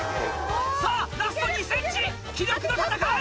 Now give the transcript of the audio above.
さぁラスト２ｃｍ気力の戦い！